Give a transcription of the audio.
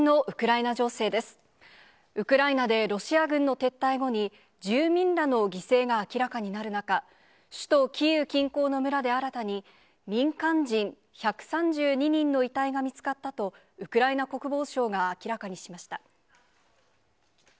ウクライナでロシア軍の撤退後に、住民らの犠牲が明らかになる中、首都キーウ近郊の村で新たに、民間人１３２人の遺体が見つかったと、ウクライナ国防省が明らかにしました。